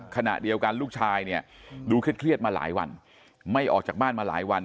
ขณะเดียวกันลูกชายเนี่ยดูเครียดมาหลายวันไม่ออกจากบ้านมาหลายวัน